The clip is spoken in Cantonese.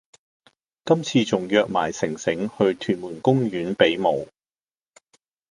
今次仲約埋城城去屯門公園比舞